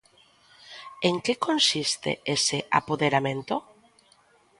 En que consiste ese apoderamento?